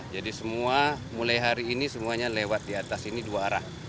jadi semua mulai hari ini semuanya lewat di atas ini dua arah